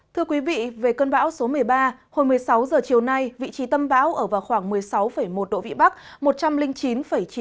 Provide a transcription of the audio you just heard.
thưa quý vị về cơn bão số một mươi ba hồi một mươi sáu giờ chiều nay vị trí tâm bão ở vào khoảng một mươi sáu một độ vĩ bắc